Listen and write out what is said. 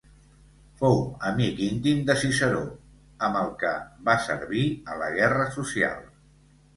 Fou amic íntim de Ciceró, amb el que va servir a la guerra social.